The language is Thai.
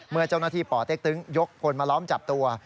เมื่อเจ้าหน้าที่ป่อเต็กตึงยกพลมาล้อมจับตัว